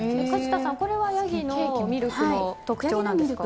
梶田さん、これはヤギのミルクの特徴なんですか。